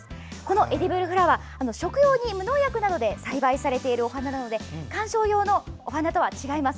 エディブルフラワー食用に、無農薬などで栽培されているお花なので観賞用のお花とは違います。